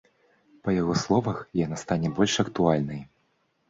Па яго словах, яна стане больш актуальнай.